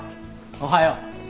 おはよう。